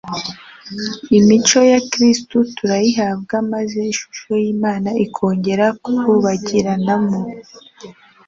Imico ya Kristo turayihabwa maze ishusho y'Imana ikongera kuhubagiranamo.